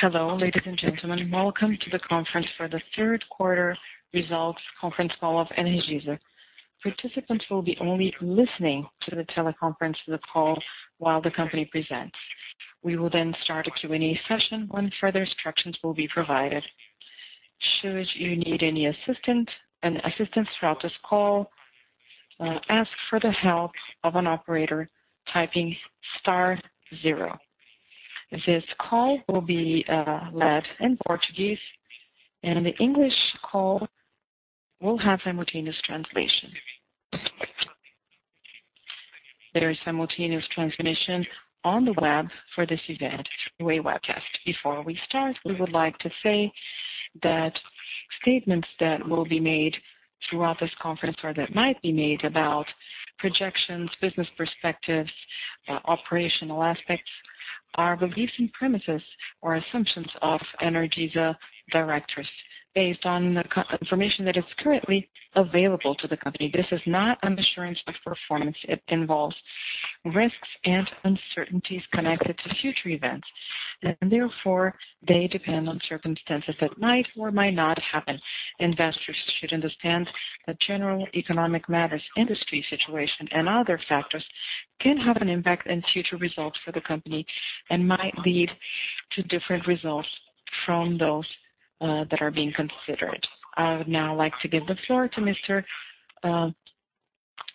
Hello, ladies and gentlemen. Welcome to the conference for the third quarter results conference call of Energisa. Participants will be only listening to the teleconference, the call while the company presents. We will start a Q&A session when further instructions will be provided. Should you need any assistance throughout this call, ask for the help of an operator typing star zero. This call will be led in Portuguese. The English call will have simultaneous translation. There is simultaneous translation on the web for this event through a webcast. Before we start, we would like to say that statements that will be made throughout this conference or that might be made about projections, business perspectives, operational aspects, are beliefs and premises or assumptions of Energisa directors based on the information that is currently available to the company. This is not an assurance of performance. It involves risks and uncertainties connected to future events, and therefore, they depend on circumstances that might or might not happen. Investors should understand that general economic matters, industry situation, and other factors can have an impact on future results for the company and might lead to different results from those that are being considered. I would now like to give the floor to Mr.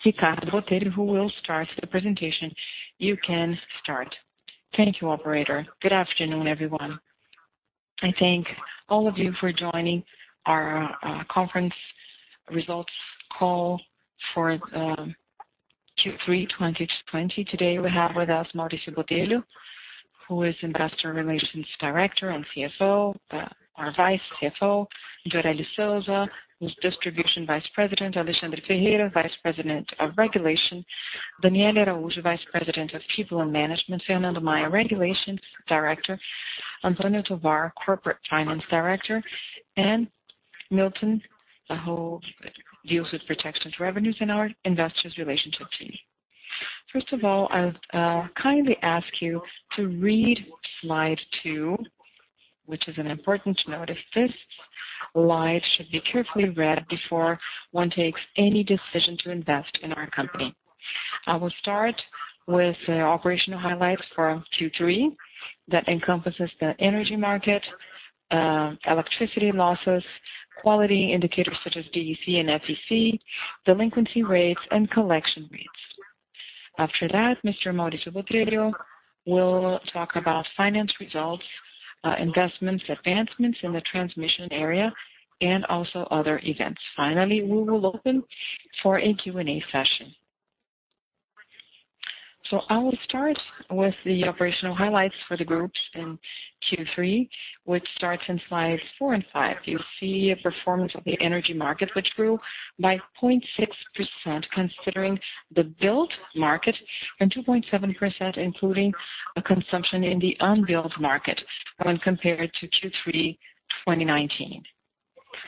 Ricardo Botelho, who will start the presentation. You can start. Thank you, operator. Good afternoon, everyone. I thank all of you for joining our conference results call for the Q3 2020. Today, we have with us Mauricio Botelho, who is Investor Relations Director and CFO, our Vice CFO, Gioreli de Sousa, who's Distribution Vice President, Alexandre Ferreira, Vice President of Regulation, Daniele Araújo, Vice President of People and Management, Fernando Maia, Regulations Director, Antonio Tovar, Corporate Finance Director, and [Milton Aho deals with projections and revenues in our investors relationship team. First of all, I'll kindly ask you to read slide two, which is an important note. This slide should be carefully read before one takes any decision to invest in our company. I will start with the operational highlights for Q3 that encompasses the energy market, electricity losses, quality indicators such as DEC and FEC, delinquency rates, and collection rates. After that, Mr. Mauricio Botelho will talk about finance results, investments, advancements in the transmission area, and also other events. Finally, we will open for a Q&A session. I will start with the operational highlights for the groups in Q3, which starts in slides four and five. You see a performance of the energy market, which grew by 0.6% considering the billed market and 2.7% including a consumption in the unbilled market when compared to Q3 2019.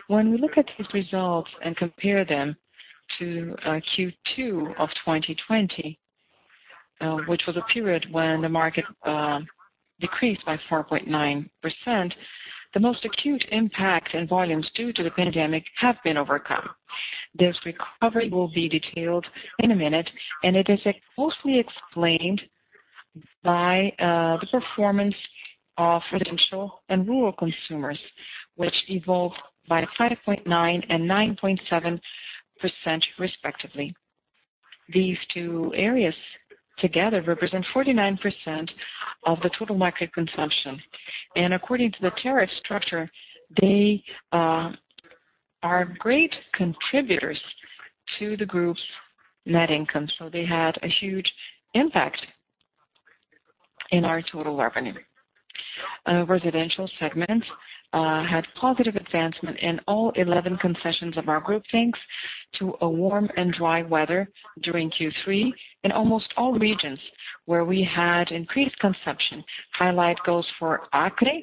When we look at these results and compare them to Q2 of 2020, which was a period when the market decreased by 4.9%, the most acute impact in volumes due to the pandemic have been overcome. This recovery will be detailed in a minute, and it is mostly explained by the performance of residential and rural consumers, which evolved by 5.9% and 9.7% respectively. These two areas together represent 49% of the total market consumption, and according to the tariff structure, they are great contributors to the group's net income. They had a huge impact in our total revenue. Residential segment had positive advancement in all 11 concessions of our group, thanks to a warm and dry weather during Q3 in almost all regions where we had increased consumption. Highlight goes for Acre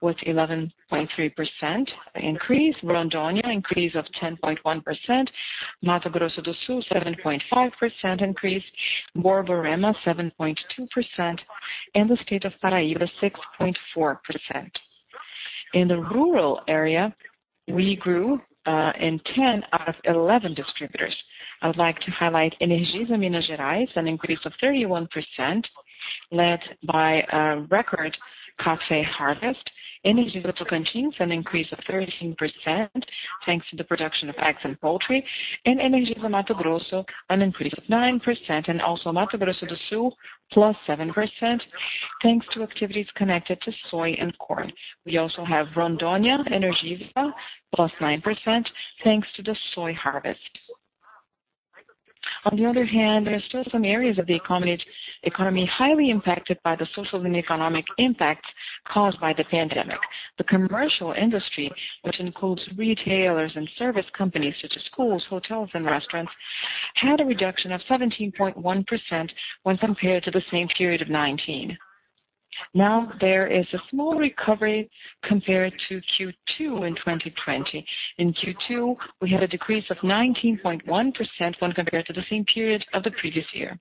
with 11.3% increase, Rondônia increase of 10.1%, Mato Grosso do Sul, 7.5% increase, Borborema, 7.2%, and the state of Paraíba, 6.4%. In the rural area, we grew in 10 out of 11 distributors. I would like to highlight Energisa Minas Gerais, an increase of 31%, led by a record café harvest, Energisa Tocantins, an increase of 13% thanks to the production of eggs and poultry, and Energisa Mato Grosso, an increase of 9%, and also Mato Grosso do Sul, +7%, thanks to activities connected to soy and corn. We also have Rondônia Energisa, +9%, thanks to the soy harvest. On the other hand, there are still some areas of the economy highly impacted by the social and economic impacts caused by the pandemic. The commercial industry, which includes retailers and service companies such as schools, hotels, and restaurants, had a reduction of 17.1% when compared to the same period of 2019. Now there is a small recovery compared to Q2 in 2020. In Q2, we had a decrease of 19.1% when compared to the same period of the previous year.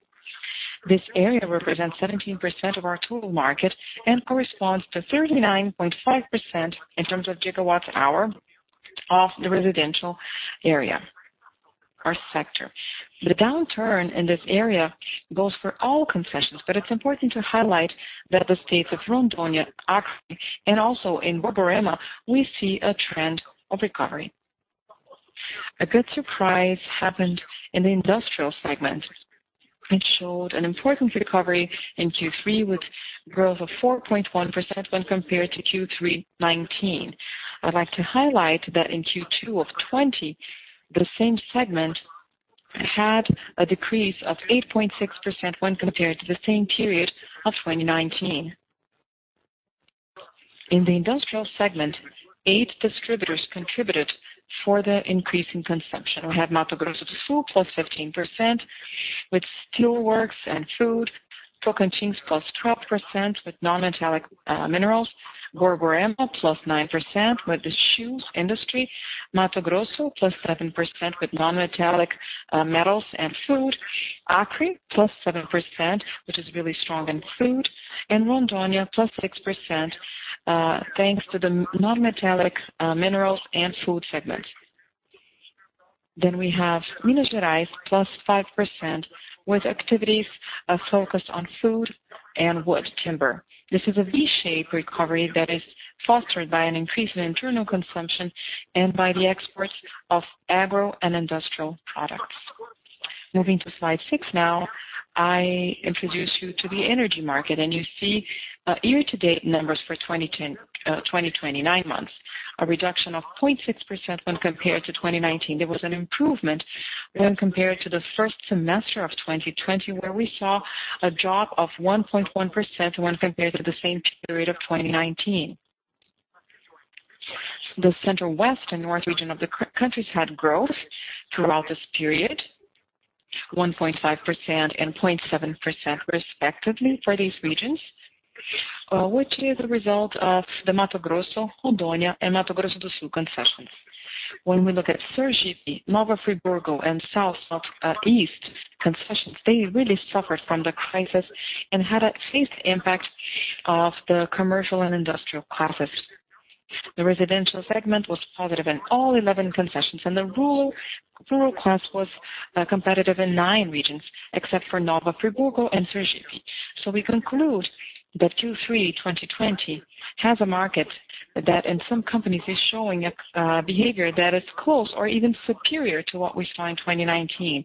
This area represents 17% of our total market and corresponds to 39.5% in terms of gigawatts hour of the residential area, our sector. The downturn in this area goes for all concessions, but it's important to highlight that the states of Rondônia, Acre, and also in Borborema, we see a trend of recovery. A good surprise happened in the industrial segment, which showed an important recovery in Q3 with growth of 4.1% when compared to Q3 2019. I'd like to highlight that in Q2 of 2020, the same segment had a decrease of 8.6% when compared to the same period of 2019. In the industrial segment, eight distributors contributed for the increase in consumption. We have Mato Grosso do Sul, +15% with steelworks and food. Tocantins, +12% with non-metallic minerals. Borborema, +9% with the shoes industry. Mato Grosso, +7% with non-metallic metals and food. Acre, +7%, which is really strong in food. Rondônia, +6% thanks to the non-metallic minerals and food segment. We have Minas Gerais, +5% with activities focused on food and wood timber. This is a V-shaped recovery that is fostered by an increase in internal consumption and by the exports of agro and industrial products. Moving to slide six now. I introduce you to the energy market. You see year-to-date numbers for 2020 nine months, a reduction of 0.6% when compared to 2019. There was an improvement when compared to the first semester of 2020, where we saw a drop of 1.1% when compared to the same period of 2019. The Central West and North Region of the country had growth throughout this period, 1.5% and 0.7%, respectively, for these regions, which is a result of the Mato Grosso, Rondônia, and Mato Grosso do Sul concessions. We look at Sergipe, Nova Friburgo, and Southeast concessions. They really suffered from the crisis and had at least the impact of the commercial and industrial classes. The residential segment was positive in all 11 concessions. The rural class was competitive in nine regions, except for Nova Friburgo and Sergipe. We conclude that Q3 2020 has a market that in some companies is showing a behavior that is close or even superior to what we saw in 2019.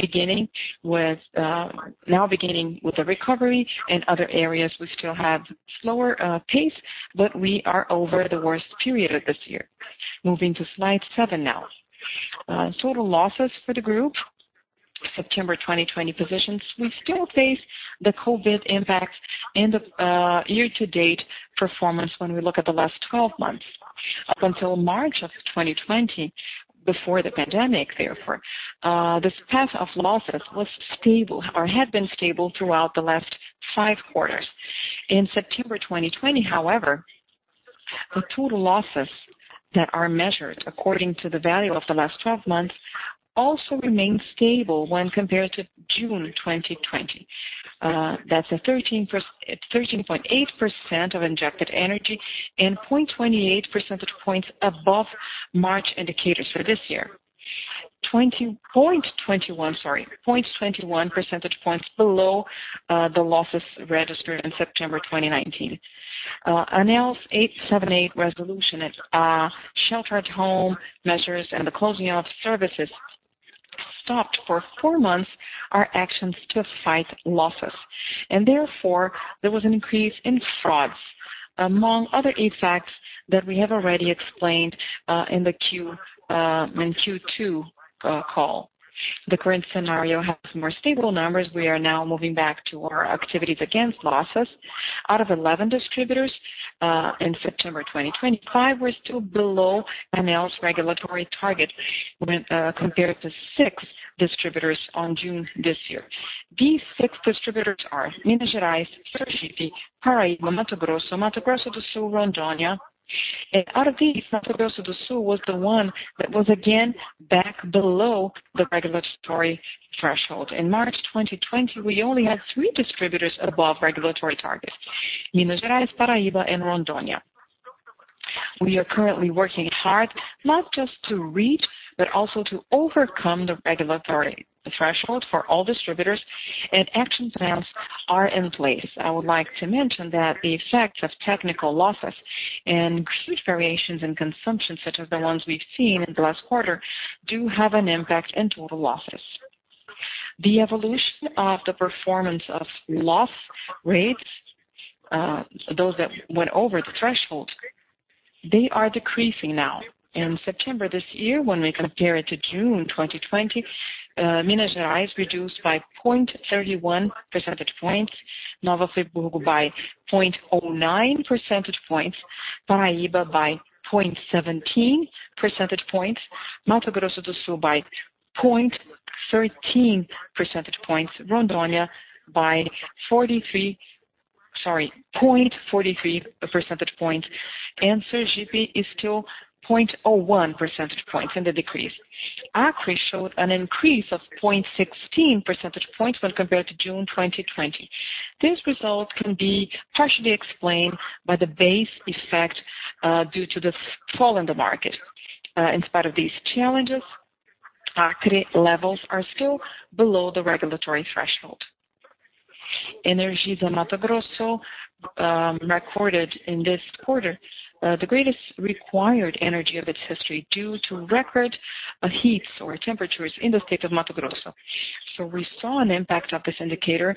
Beginning with the recovery in other areas, we still have slower pace, but we are over the worst period of this year. Moving to slide seven now. Total losses for the group, September 2020 positions. We still face the COVID impact in the year-to-date performance when we look at the last 12 months. Up until March of 2020, before the pandemic, therefore, this path of losses was stable or had been stable throughout the last five quarters. In September 2020, however, the total losses that are measured according to the value of the last 12 months also remained stable when compared to June 2020. That's a 13.8% of injected energy and 0.28 percentage points above March indicators for this year. 0.21 percentage points below the losses registered in September 2019. ANEEL's 878 Resolution, sheltered home measures, and the closing of services stopped for four months our actions to fight losses. Therefore, there was an increase in frauds, among other effects that we have already explained in the Q2 call. The current scenario has more stable numbers. We are now moving back to our activities against losses. Out of 11 distributors, in September 2020, five were still below ANEEL's regulatory target when compared to six distributors on June this year. These six distributors are Minas Gerais, Sergipe, Paraíba, Mato Grosso, Mato Grosso do Sul, Rondônia. Out of these, Mato Grosso do Sul was the one that was again back below the regulatory threshold. In March 2020, we only had three distributors above regulatory targets, Minas Gerais, Paraíba, and Rondônia. We are currently working hard, not just to reach, but also to overcome the regulatory threshold for all distributors, and action plans are in place. I would like to mention that the effects of technical losses and huge variations in consumption, such as the ones we've seen in the last quarter, do have an impact in total losses. The evolution of the performance of loss rates, those that went over the threshold, they are decreasing now. In September this year, when we compare it to June 2020, Minas Gerais reduced by 0.31 percentage points, Nova Friburgo by 0.09 percentage points, Paraíba by 0.17 percentage points, Mato Grosso do Sul by 0.13 percentage points, Rondônia by 0.43 percentage points. Energisa is still 0.01 percentage points in the decrease. Acre showed an increase of 0.16 percentage points when compared to June 2020. This result can be partially explained by the base effect due to the fall in the market. In spite of these challenges, Acre levels are still below the regulatory threshold. Energisa Mato Grosso recorded in this quarter the greatest required energy of its history due to record heats or temperatures in the state of Mato Grosso. We saw an impact of this indicator,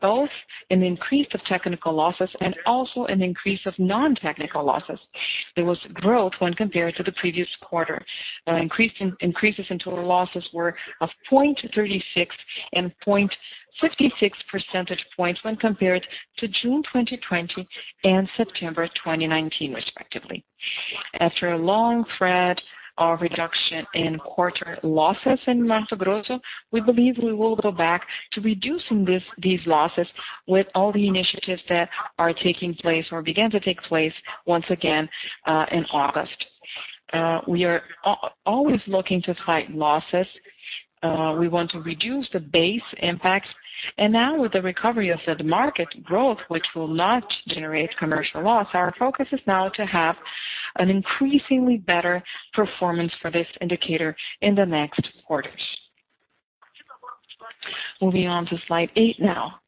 both in the increase of technical losses and also an increase of non-technical losses. There was growth when compared to the previous quarter. Increases in total losses were of 0.36 and 0.56 percentage points when compared to June 2020 and September 2019, respectively. After a long thread of reduction in quarter losses in Mato Grosso, we believe we will go back to reducing these losses with all the initiatives that are taking place or began to take place once again, in August. We are always looking to fight losses. We want to reduce the base impacts. Now with the recovery of said market growth, which will not generate commercial loss, our focus is now to have an increasingly better performance for this indicator in the next quarters. Moving on to slide eight now.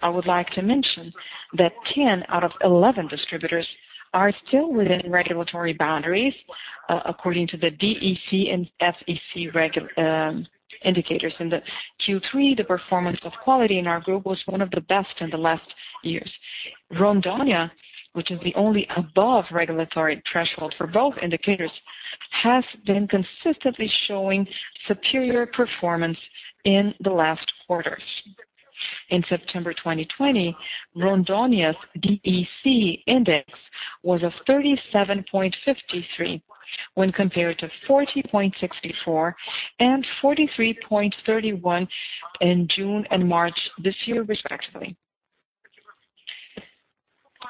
I would like to mention that 10 out of 11 distributors are still within regulatory boundaries, according to the DEC and FEC indicators. In the Q3, the performance of quality in our group was one of the best in the last years. Rondônia, which is the only above regulatory threshold for both indicators, has been consistently showing superior performance in the last quarters. In September 2020, Rondônia's DEC index was of 37.53 when compared to 40.64 and 43.31 in June and March this year, respectively.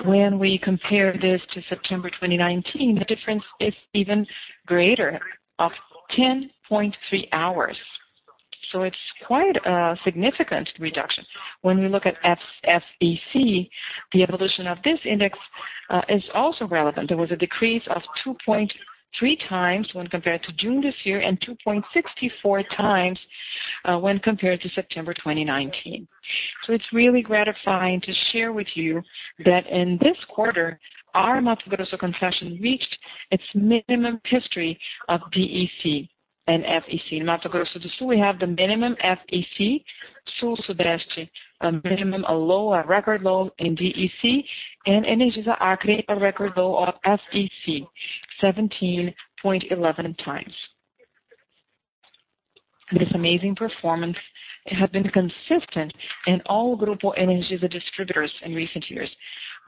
When we compare this to September 2019, the difference is even greater of 10.3 hours. It's quite a significant reduction. When we look at FEC, the evolution of this index is also relevant. There was a decrease of 2.3x when compared to June this year and 2.64x when compared to September 2019. It's really gratifying to share with you that in this quarter, our Mato Grosso concession reached its minimum history of DEC and FEC. Mato Grosso do Sul, we have the minimum FEC. Sul-Sudeste, a minimum, a low, a record low in DEC. Energisa Acre, a record low of FEC, 17.11x. This amazing performance has been consistent in all Grupo Energisa distributors in recent years.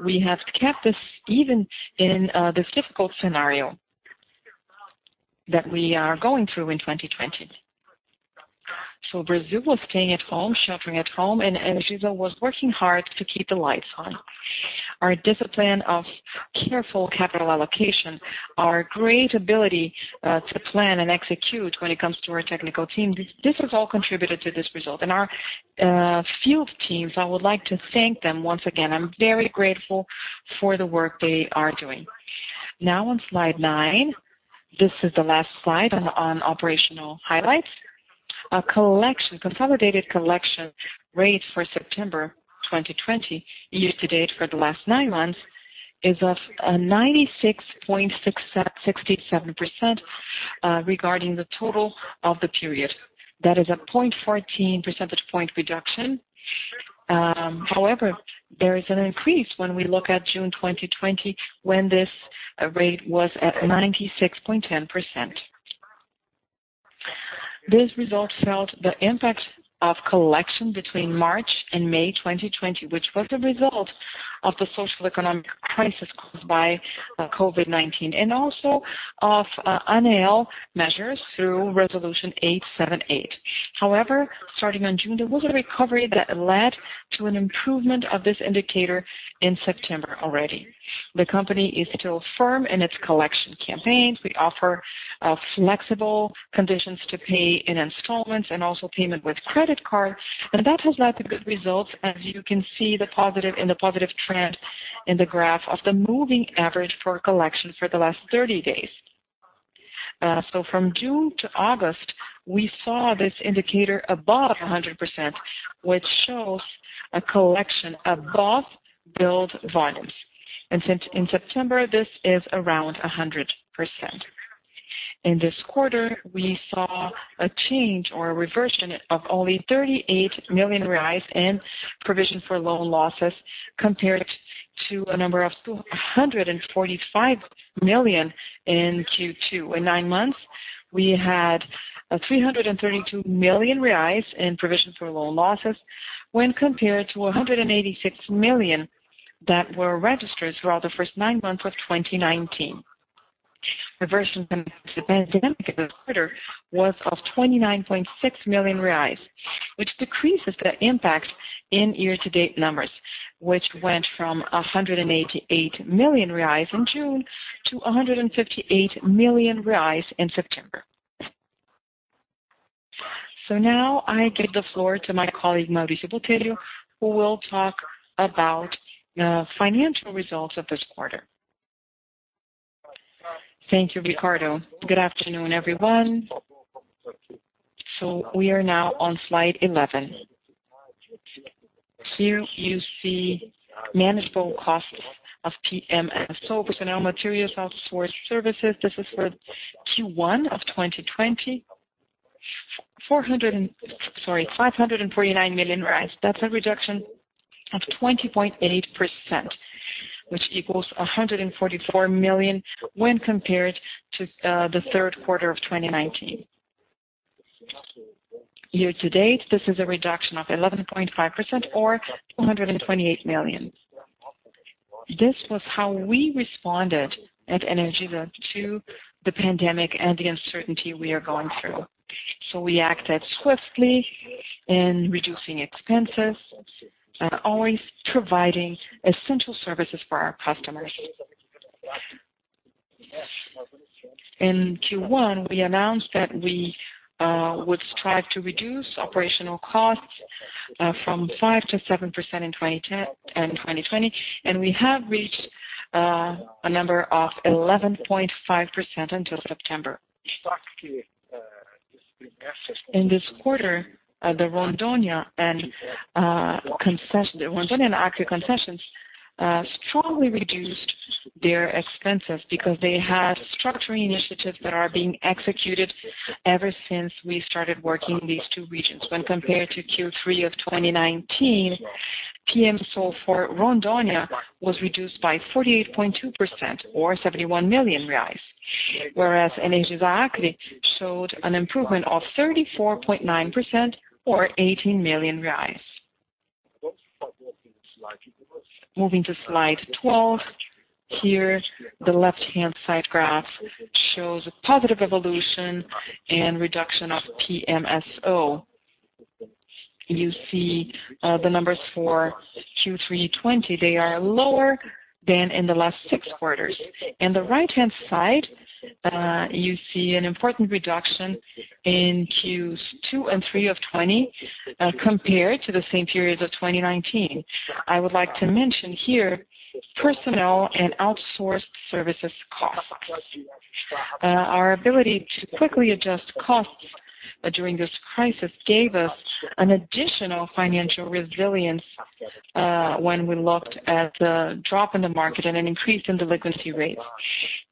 We have kept this even in this difficult scenario that we are going through in 2020. Brazil was staying at home, sheltering at home, and Energisa was working hard to keep the lights on. Our discipline of careful capital allocation, our great ability to plan and execute when it comes to our technical team, this has all contributed to this result. Our field teams, I would like to thank them once again. I'm very grateful for the work they are doing. On slide nine. This is the last slide on operational highlights. A consolidated collection rate for September 2020, year-to-date for the last nine months, is of 96.67% regarding the total of the period. That is a 0.14 percentage point reduction. There is an increase when we look at June 2020 when this rate was at 96.10%. These results felt the impact of collection between March and May 2020, which was the result of the social economic crisis caused by COVID-19, and also of ANEEL measures through Resolution 878. However, starting in June, there was a recovery that led to an improvement of this indicator in September already. The company is still firm in its collection campaigns. We offer flexible conditions to pay in installments and also payment with credit card, That has led to good results, as you can see in the positive trend in the graph of the moving average for collection for the last 30 days. From June to August, we saw this indicator above 100%, which shows a collection above billed volumes. Since in September, this is around 100%. In this quarter, we saw a change or a reversion of only 38 million reais in provision for loan losses compared to a number of 145 million in Q2. In nine months, we had 332 million reais in provision for loan losses when compared to 186 million that were registered throughout the first nine months of 2019. The version of the pandemic this quarter was of 29.6 million reais, which decreases the impact in year-to-date numbers, which went from 188 million reais in June to 158 million reais in September. Now I give the floor to my colleague, Mauricio Botelho, who will talk about the financial results of this quarter. Thank you, Ricardo. Good afternoon, everyone. We are now on slide 11. Here you see manageable costs of PMSO, personnel, materials, outsourced services. This is for Q1 of 2020, 549 million. That's a reduction of 20.8%, which equals 144 million when compared to the third quarter of 2019. Year-to-date, this is a reduction of 11.5% or 228 million. This was how we responded at Energisa to the pandemic and the uncertainty we are going through. We acted swiftly in reducing expenses and always providing essential services for our customers. In Q1, we announced that we would strive to reduce operational costs from 5% to 7% in 2020, and we have reached a number of 11.5% until September. In this quarter, the Rondônia and Acre concessions strongly reduced their expenses because they had structuring initiatives that are being executed ever since we started working these two regions. When compared to Q3 of 2019, PMSO for Rondônia was reduced by 48.2%, or 71 million reais, whereas Energisa Acre showed an improvement of 34.9%, or BRL 18 million. Moving to slide 12. Here, the left-hand side graph shows a positive evolution and reduction of PMSO. You see the numbers for Q3 2020, they are lower than in the last six quarters. In the right-hand side, you see an important reduction in Q2 and Q3of 2020, compared to the same periods of 2019. I would like to mention here personnel and outsourced services costs. Our ability to quickly adjust costs during this crisis gave us an additional financial resilience when we looked at the drop in the market and an increase in delinquency rates.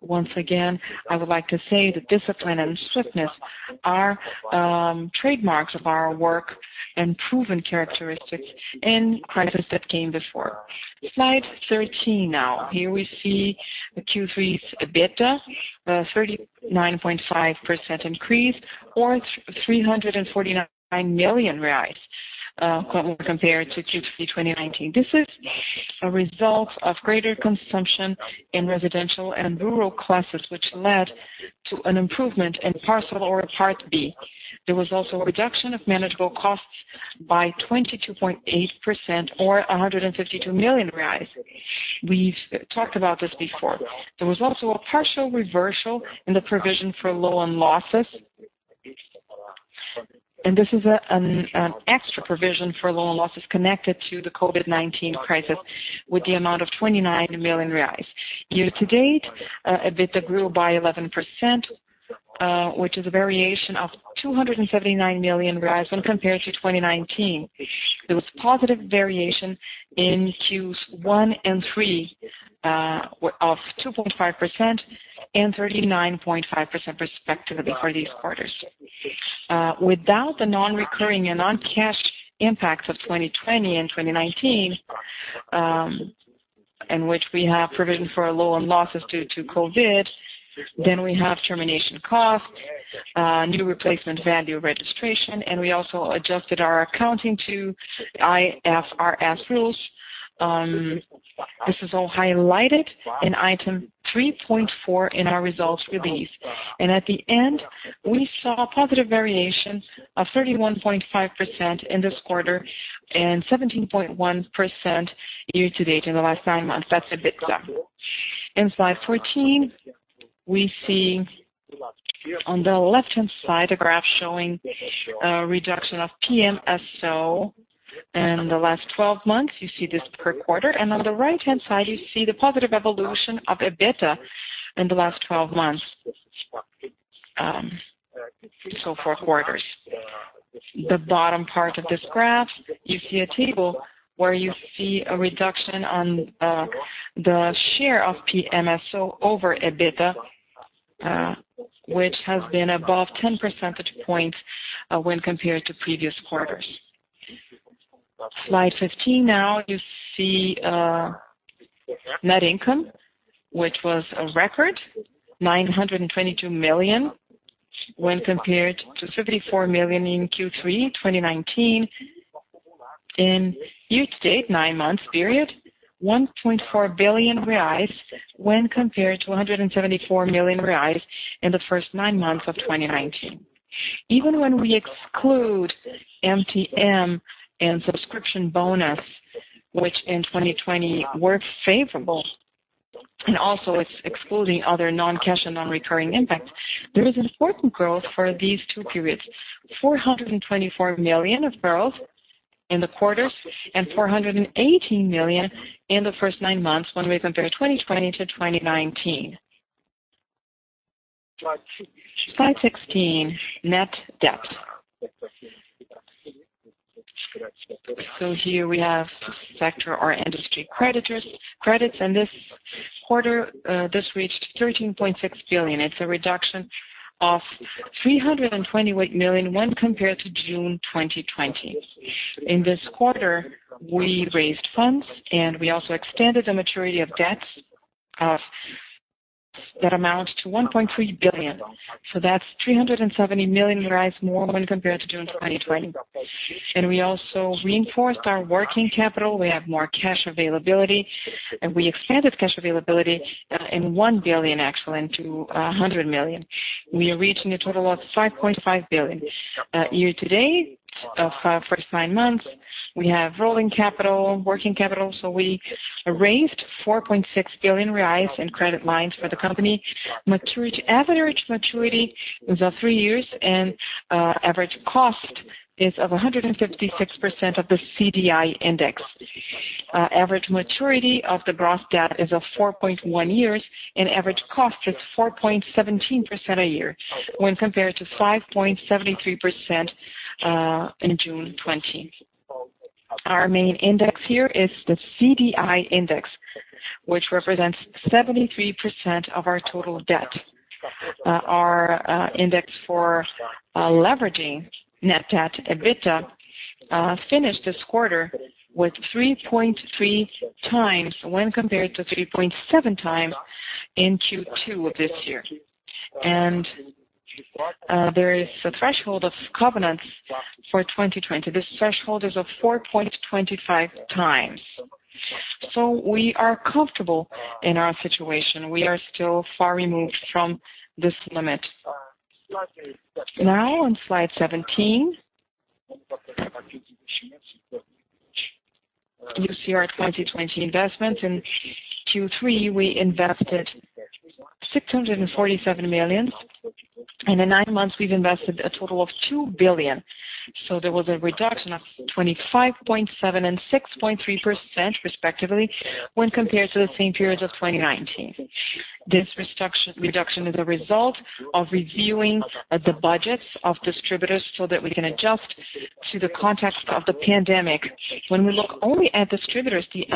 Once again, I would like to say that discipline and swiftness are trademarks of our work and proven characteristics in crisis that came before. Slide 13 now. Here we see the Q3's EBITDA, 39.5% increase, or 349 million reais, when compared to Q3 2019. This is a result of greater consumption in residential and rural classes, which led to an improvement in Parcela B. There was also a reduction of manageable costs by 22.8%, or 152 million reais. We've talked about this before. There was also a partial reversal in the provision for loan losses. This is an extra provision for loan losses connected to the COVID-19 crisis with the amount of 29 million reais. Year-to-date, EBITDA grew by 11%, which is a variation of 279 million when compared to 2019. There was positive variation in Q1 and Q3 of 2.5% and 39.5% respectively for these quarters. Without the non-recurring and non-cash impacts of 2020 and 2019, in which we have provisioned for a loan losses due to COVID, then we have termination costs, New Replacement Value registration, and we also adjusted our accounting to IFRS rules. This is all highlighted in item 3.4 in our results release. At the end, we saw a positive variation of 31.5% in this quarter and 17.1% year to date in the last nine months. That's EBITDA. In slide 14, we see on the left-hand side a graph showing a reduction of PMSO in the last 12 months. You see this per quarter. On the right-hand side, you see the positive evolution of EBITDA in the last 12 months. Four quarters. The bottom part of this graph, you see a table where you see a reduction on the share of PMSO over EBITDA, which has been above 10 percentage points when compared to previous quarters. Slide 15 now. You see net income, which was a record 922 million when compared to 54 million in Q3 2019. In year-to-date nine months period, 1.4 billion reais when compared to 174 million reais in the first nine months of 2019. Even when we exclude MTM and subscription bonus, which in 2020 were favorable, and also excluding other non-cash and non-recurring impacts, there is important growth for these two periods. 424 million of growth in the quarter, and 418 million in the first nine months when we compare 2020 to 2019. Slide 16, net debt. Here we have sector or industry credits, and this quarter, this reached 13.6 billion. It's a reduction of 328 million when compared to June 2020. In this quarter, we raised funds, and we also extended the maturity of debts that amount to 1.3 billion. That's 370 million more when compared to June 2020. We also reinforced our working capital. We have more cash availability, we expanded cash availability in 1 billion, actually, into 100 million. We are reaching a total of 5.5 billion. Year-to-date of our first three months, we have rolling capital, working capital. We raised 4.6 billion reais in credit lines for the company. Average maturity is of three years, and average cost is of 156% of the CDI index. Average maturity of the gross debt is of 4.1 years, and average cost is 4.17% a year when compared to 5.73% in June 2020. Our main index here is the CDI index, which represents 73% of our total debt. Our index for leveraging net debt EBITDA finished this quarter with 3.3x when compared to 3.7x in Q2 of this year. There is a threshold of covenants for 2020. This threshold is of 4.25 times. We are comfortable in our situation. We are still far removed from this limit. On slide 17, you see our 2020 investment. In Q3, we invested 647 million. In nine months, we've invested a total of 2 billion. There was a reduction of 25.7% and 6.3%, respectively, when compared to the same periods of 2019. This reduction is a result of reviewing the budgets of distributors so that we can adjust to the context of the pandemic. When we look only at distributors, the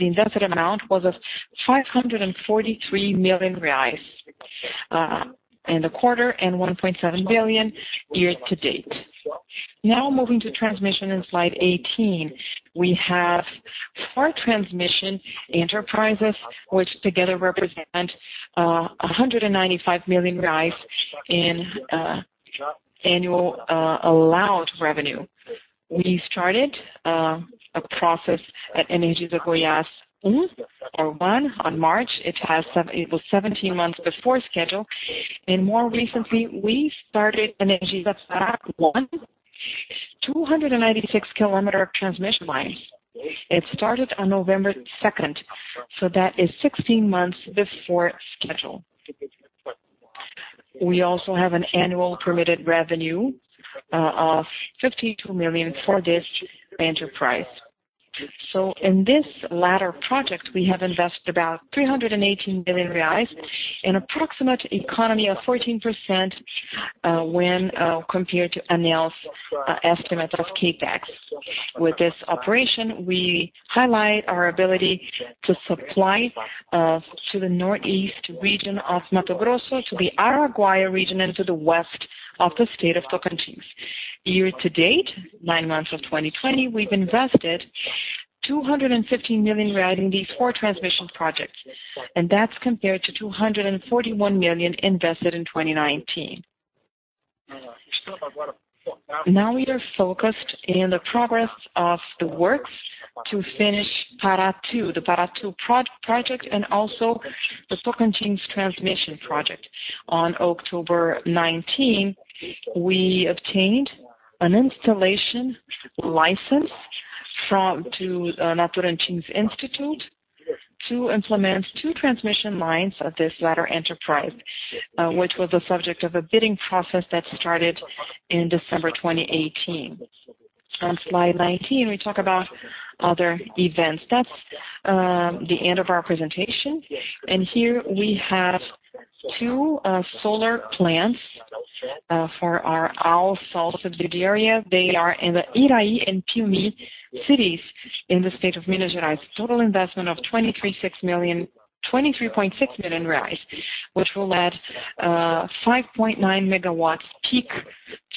invested amount was of 543 million reais in the quarter. 1.7 billion year-to-date. Moving to transmission in slide 18, we have four transmission enterprises, which together represent 195 million in annual allowed revenue. We started a process at Energisa Goiás Um, or One on March. It was 17 months before schedule. More recently, we started Energisa Pará Um, 296 km transmission line. It started on November 2nd, 16 months before schedule. We also have an annual permitted revenue of 52 million for this enterprise. In this latter project, we have invested about 318 million reais, an approximate economy of 14% when compared to ANEEL's estimate of CapEx. With this operation, we highlight our ability to supply to the northeast region of Mato Grosso, to the Araguaia region, and to the west of the state of Tocantins. Year-to-date, nine months of 2020, we've invested 215 million in these four transmission projects, compared to 241 million invested in 2019. Now we are focused in the progress of the works to finish Pará II, the Pará II project, and also the Tocantins transmission project. On October 19, we obtained an installation license to Naturatins Institute to implement two transmission lines of this latter enterprise, which was the subject of a bidding process that started in December 2018. On slide 19, we talk about other events. That's the end of our presentation. Here we have two solar plants for our Alsol subsidiary. They are in the Iraí and Piumhi cities in the state of Minas Gerais. Total investment of 23.6 million reais, which will add 5.9 MW peak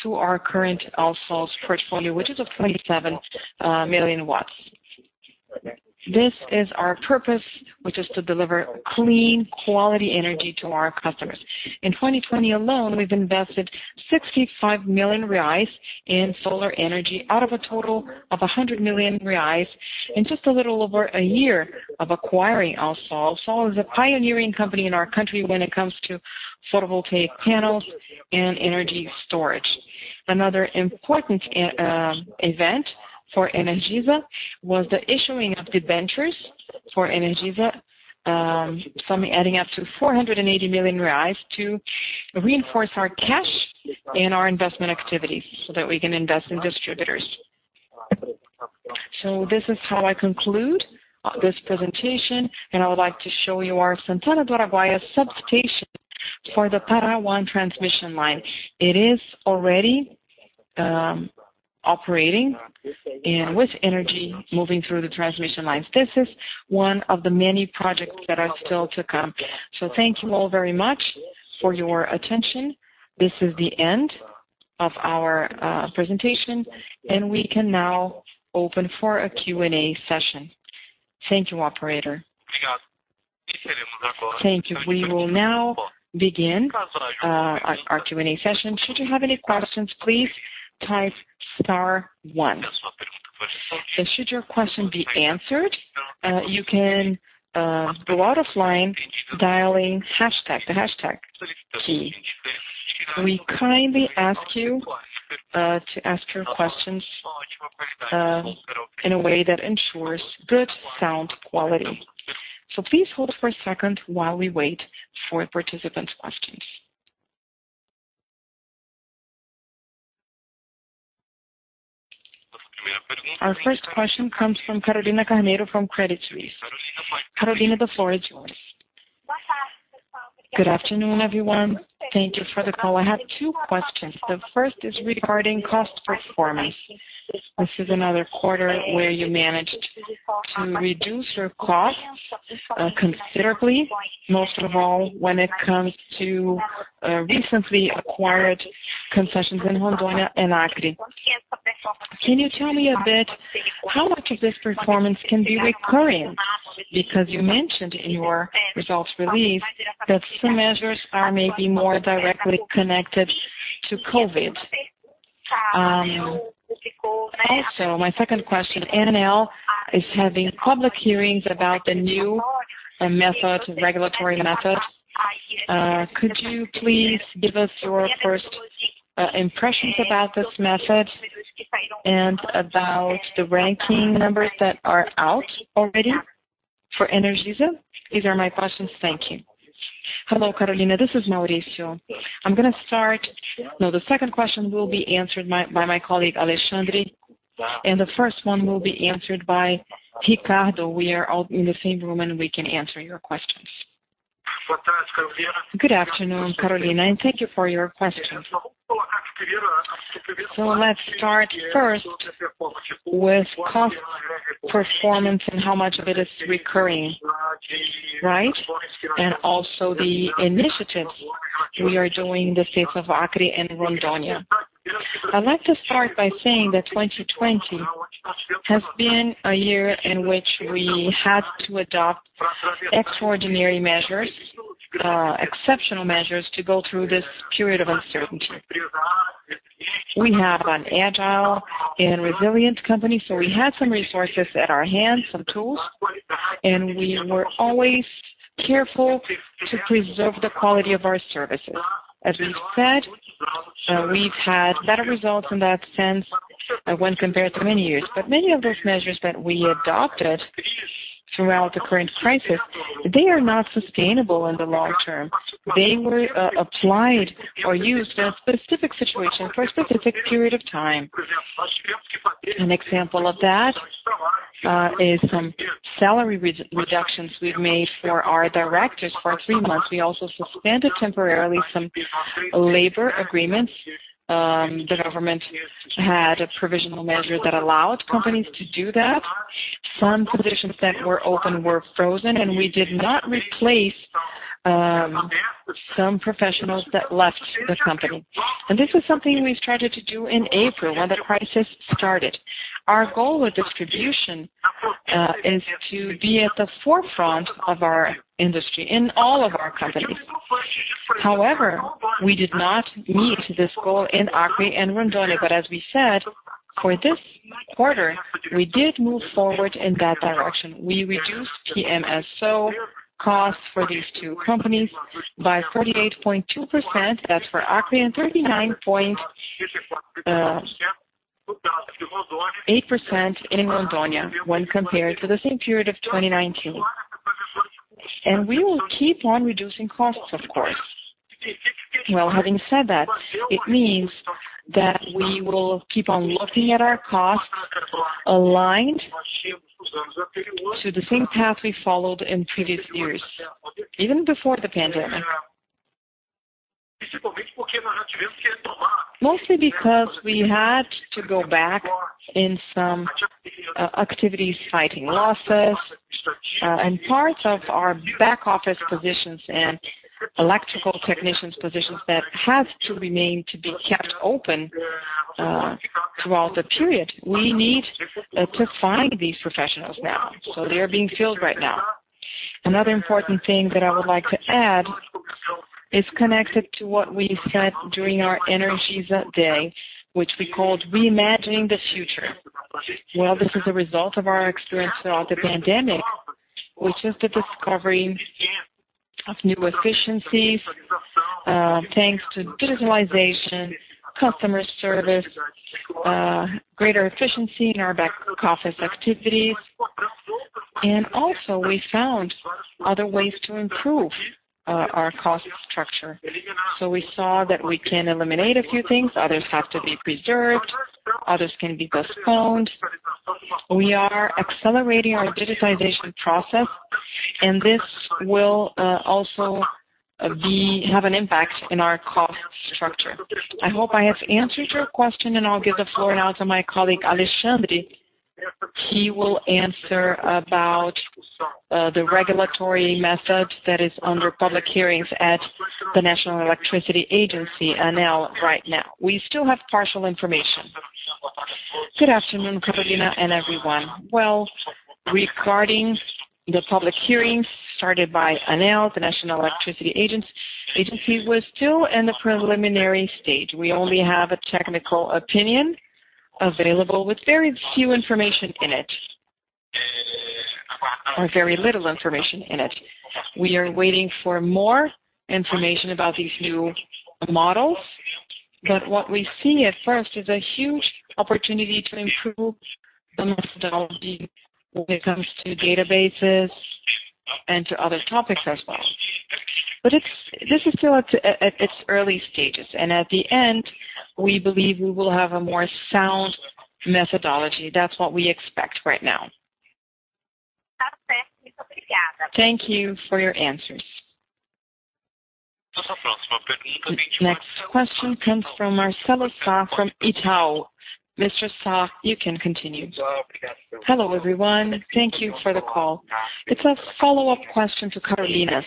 to our current Alsol's portfolio, which is of 27 MW. This is our purpose, which is to deliver clean, quality energy to our customers. In 2020 alone, we've invested 65 million reais in solar energy out of a total of 100 million reais in just a little over a year of acquiring Alsol. Alsol is a pioneering company in our country when it comes to photovoltaic panels and energy storage. Another important event for Energisa was the issuing of debentures for Energisa, adding up to 480 million reais to reinforce our cash and our investment activities that we can invest in distributors. This is how I conclude this presentation, I would like to show you our Santana do Araguaia substation for the Pará I transmission line. It is already operating and with energy moving through the transmission lines. This is one of the many projects that are still to come. Thank you all very much for your attention. This is the end of our presentation, and we can now open for a Q&A session. Thank you, operator. Thank you. We will now begin our Q&A session. Should you have any questions, please type star one. Should your question be answered, you can go out of line dialing hashtag, the hashtag key. We kindly ask you to ask your questions in a way that ensures good sound quality. So please hold for a second while we wait for participants' questions. Our first question comes from Carolina Carneiro from Credit Suisse. Carolina, the floor is yours. Good afternoon, everyone. Thank you for the call. I have two questions. The first is regarding cost performance. This is another quarter where you managed to reduce your costs considerably, most of all when it comes to recently acquired concessions in Rondônia and Acre. Can you tell me a bit how much of this performance can be recurring? Because you mentioned in your results release that some measures are maybe more directly connected to COVID. My second question, ANEEL is having public hearings about the new regulatory method. Could you please give us your first impressions about this method and about the ranking numbers that are out already for Energisa? These are my questions. Thank you. Hello, Carolina. This is Mauricio. The second question will be answered by my colleague, Alexandre, and the first one will be answered by Ricardo. We are all in the same room, and we can answer your questions. Good afternoon, Carolina, and thank you for your questions. Let's start first with cost performance and how much of it is recurring, right? And also the initiatives we are doing in the states of Acre and Rondônia. I'd like to start by saying that 2020 has been a year in which we had to adopt extraordinary measures, exceptional measures to go through this period of uncertainty. We have an agile and resilient company. We had some resources at our hand, some tools, and we were always careful to preserve the quality of our services. As we said, we've had better results in that sense when compared to many years. Many of those measures that we adopted throughout the current crisis, they are not sustainable in the long term. They were applied or used in a specific situation for a specific period of time. An example of that is some salary reductions we've made for our directors for three months. We also suspended temporarily some labor agreements. The government had a provisional measure that allowed companies to do that. Some positions that were open were frozen, this is something we started to do in April when the crisis started. Our goal with distribution is to be at the forefront of our industry in all of our companies. We did not meet this goal in Acre and Rondônia. As we said, for this quarter, we did move forward in that direction. We reduced PMSO costs for these two companies by 48.2%, that's for Acre, and 39.8% in Rondônia when compared to the same period of 2019. We will keep on reducing costs, of course. Having said that, it means that we will keep on looking at our costs aligned to the same path we followed in previous years, even before the pandemic. Mostly because we had to go back in some activities fighting losses, and parts of our back office positions and electrical technicians positions that have to remain to be kept open throughout the period. We need to find these professionals now. They are being filled right now. Another important thing that I would like to add is connected to what we said during our Energisa Day, which we called Reimagining the Future. This is a result of our experience throughout the pandemic, which is the discovery of new efficiencies, thanks to digitalization, customer service, greater efficiency in our back office activities. Also we found other ways to improve our cost structure. We saw that we can eliminate a few things, others have to be preserved, others can be postponed. We are accelerating our digitization process, and this will also have an impact on our cost structure. I hope I have answered your question, and I'll give the floor now to my colleague, Alexandre. He will answer about the regulatory method that is under public hearings at the National Electricity Agency, ANEEL right now. We still have partial information. Good afternoon, Carolina, and everyone. Well, regarding the public hearings started by ANEEL, the National Electricity Agency, we're still in the preliminary stage. We only have a technical opinion available with very few information in it, or very little information in it. We are waiting for more information about these new models. What we see at first is a huge opportunity to improve the methodology when it comes to databases and to other topics as well. This is still at its early stages, and at the end, we believe we will have a more sound methodology. That's what we expect right now. Thank you for your answers. The next question comes from Marcelo Sá from Itaú. Mr. Sá, you can continue. Hello, everyone. Thank you for the call. It's a follow-up question to Carolina's,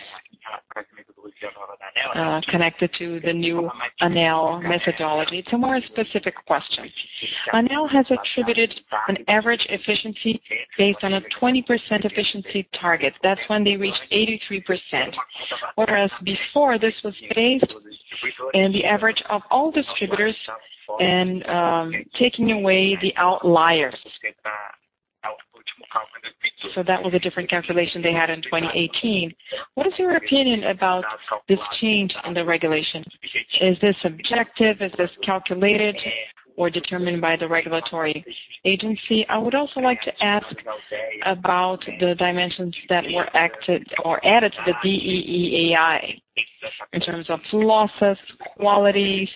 connected to the new ANEEL methodology. It's a more specific question. ANEEL has attributed an average efficiency based on a 20% efficiency target. That's when they reached 83%. Whereas before, this was based on the average of all distributors and taking away the outliers. That was a different calculation they had in 2018. What is your opinion about this change in the regulation? Is this objective? Is this calculated or determined by the regulatory agency? I would also like to ask about the dimensions that were added to the DEA in terms of losses, quality,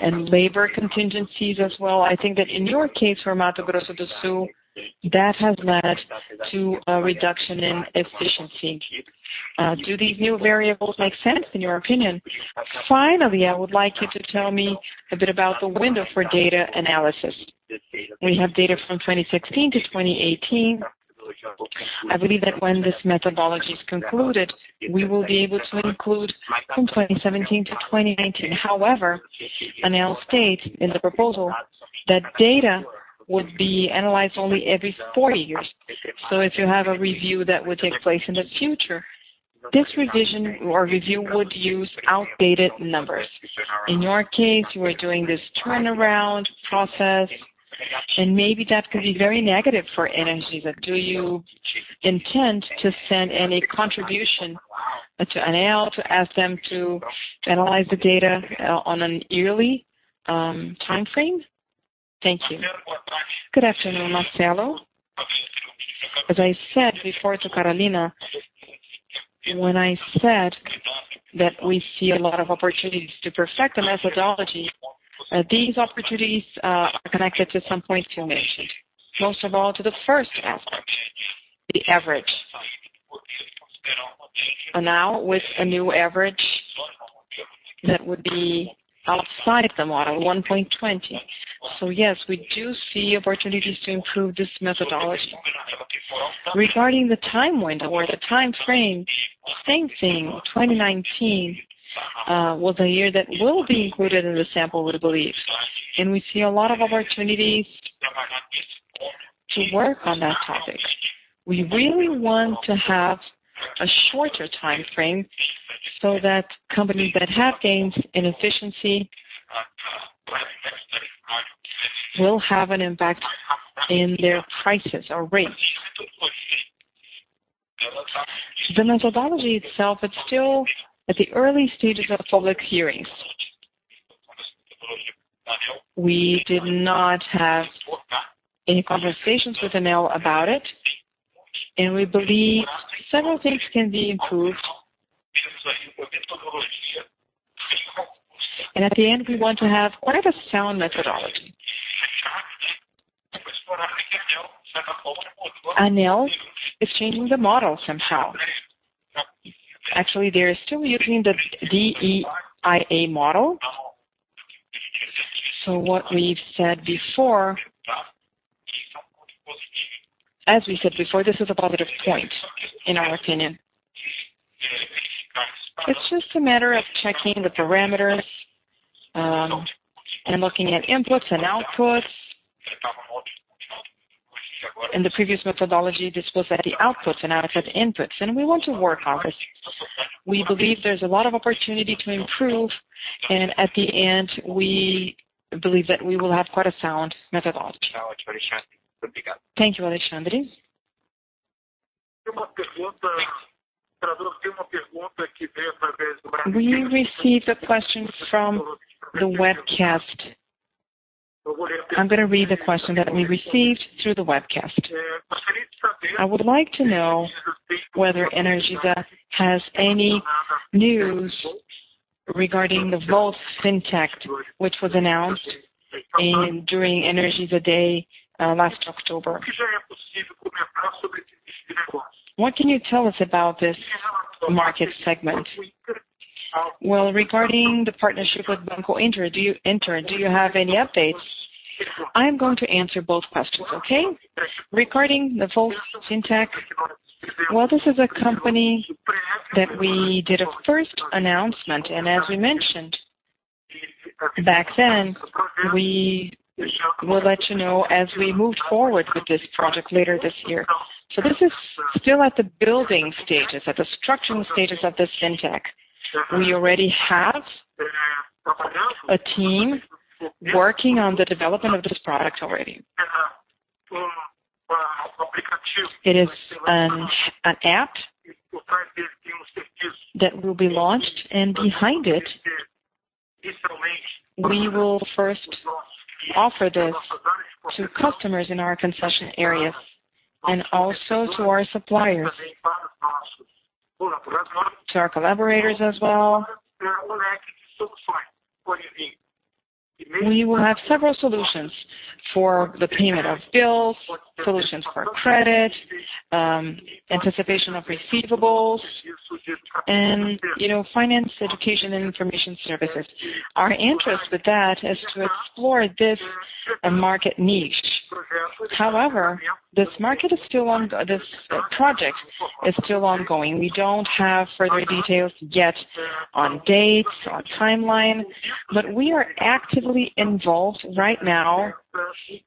and labor contingencies as well. I think that in your case for Mato Grosso do Sul, that has led to a reduction in efficiency. Do these new variables make sense in your opinion? I would like you to tell me a bit about the window for data analysis. We have data from 2016 to 2018. I believe that when this methodology is concluded, we will be able to include from 2017 to 2019. ANEEL states in the proposal that data would be analyzed only every four years. If you have a review that would take place in the future, this revision or review would use outdated numbers. In your case, you are doing this turnaround process, and maybe that could be very negative for Energisa. Do you intend to send any contribution to ANEEL to ask them to analyze the data on an yearly timeframe? Thank you. Good afternoon, Marcelo. As I said before to Carolina, when I said that we see a lot of opportunities to perfect the methodology, these opportunities are connected to some points you mentioned, most of all to the first aspect, the average. Now with a new average that would be outside the model, 1.20. Yes, we do see opportunities to improve this methodology. Regarding the time window or the timeframe, same thing, 2019 was a year that will be included in the sample, we believe, and we see a lot of opportunities to work on that topic. We really want to have a shorter timeframe so that companies that have gains in efficiency will have an impact in their prices or rates. The methodology itself, it's still at the early stages of public hearings. We did not have any conversations with ANEEL about it, and we believe several things can be improved. At the end, we want to have quite a sound methodology. ANEEL is changing the model somehow. Actually, they're still using the DEA model. As we said before, this is a positive point in our opinion. It's just a matter of checking the parameters, and looking at inputs and outputs. In the previous methodology, this was at the outputs and now it's at the inputs, and we want to work on this. We believe there's a lot of opportunity to improve, and at the end, we believe that we will have quite a sound methodology. Thank you, Alexandre. We received a question from the webcast. I'm going to read the question that we received through the webcast. I would like to know whether Energisa has any news regarding the Voltz Fintech, which was announced during Energisa Day last October. What can you tell us about this market segment? Well, regarding the partnership with Banco Inter, do you have any updates? I'm going to answer both questions, okay? Regarding the Voltz Fintech, well, this is a company that we did a first announcement, and as we mentioned back then, we will let you know as we move forward with this project later this year. This is still at the building stages, at the structuring stages of this Fintech. We already have a team working on the development of this product already. Behind it, we will first offer this to customers in our concession areas and also to our suppliers, to our collaborators as well. We will have several solutions for the payment of bills, solutions for credit, anticipation of receivables, and finance education and information services. Our interest with that is to explore this market niche. However, this project is still ongoing. We don't have further details yet on dates, on timeline, but we are actively involved right now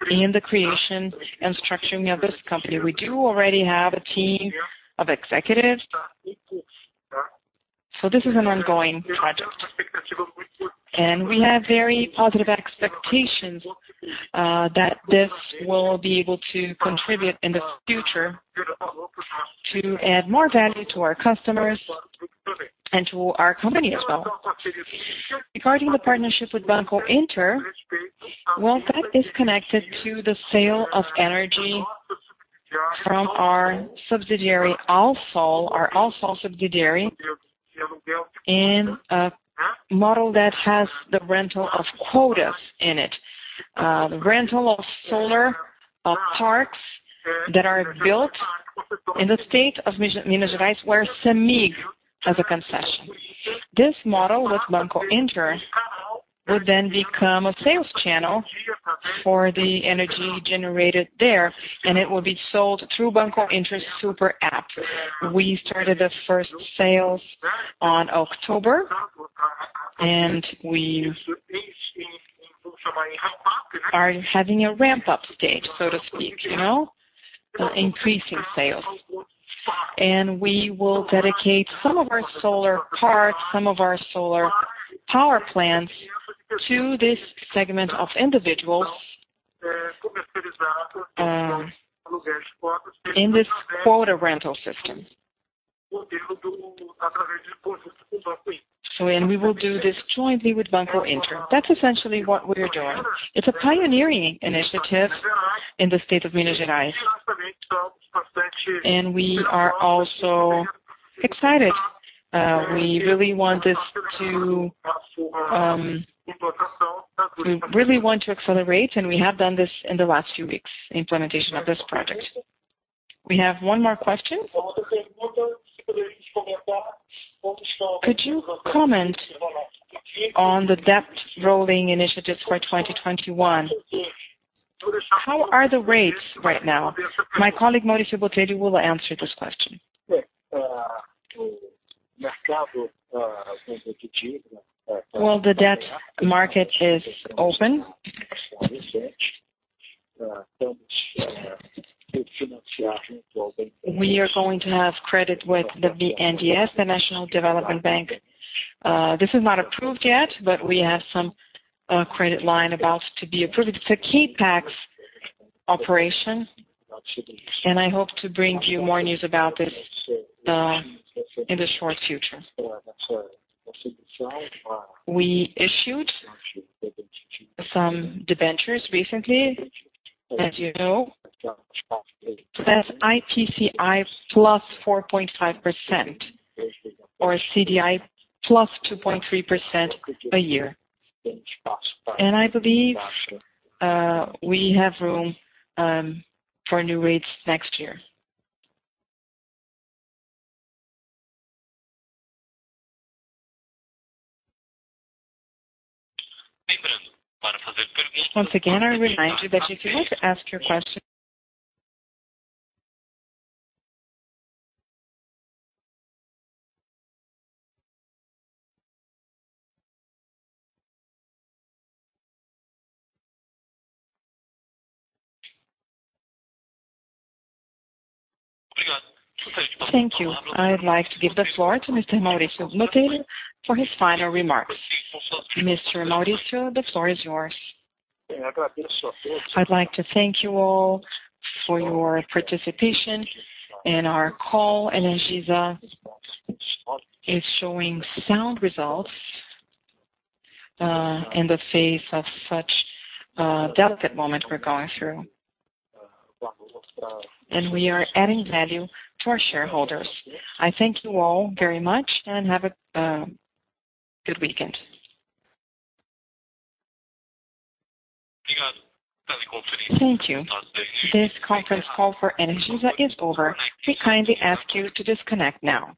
in the creation and structuring of this company. We do already have a team of executives. This is an ongoing project. We have very positive expectations that this will be able to contribute in the future to add more value to our customers and to our company as well. Regarding the partnership with Banco Inter, well, that is connected to the sale of energy from our subsidiary Alsol, our Alsol subsidiary, in a model that has the rental of quotas in it. The rental of solar parks that are built in the state of Minas Gerais, where Cemig has a concession. This model with Banco Inter would become a sales channel for the energy generated there, and it will be sold through Banco Inter's super app. We started the first sales in October, we are having a ramp-up stage, so to speak. We're increasing sales. We will dedicate some of our solar parks, some of our solar power plants to this segment of individuals in this quota rental system. We will do this jointly with Banco Inter. That's essentially what we're doing. It's a pioneering initiative in the state of Minas Gerais. We are also excited. We really want to accelerate, and we have done this in the last few weeks, the implementation of this project. We have one more question. Could you comment on the debt rolling initiatives for 2021? How are the rates right now? My colleague, Mauricio Botelho, will answer this question. The debt market is open. We are going to have credit with the BNDES, the National Development Bank. This is not approved yet, but we have some credit line about to be approved. It's a CapEx operation. I hope to bring you more news about this in the short future. We issued some debentures recently, as you know. That's IPCA plus 4.5%, or CDI plus 2.3% a year. I believe we have room for new rates next year. Once again, I remind you that if you want to ask your question. Thank you. I'd like to give the floor to Mr. Maurício Botelho for his final remarks. Mr. Maurício, the floor is yours. I'd like to thank you all for your participation in our call. Energisa is showing sound results in the face of such a delicate moment we're going through. We are adding value to our shareholders. I thank you all very much, and have a good weekend. Thank you. This conference call for Energisa is over. We kindly ask you to disconnect now.